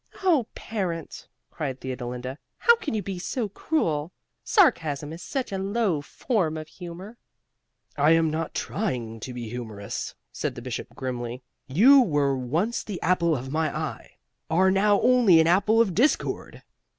"Oh, Parent!" cried Theodolinda; "How can you be so cruel? Sarcasm is such a low form of humor." "I am not trying to be humorous," said the Bishop grimly. "You, who were once the apple of my eye, are now only an apple of discord.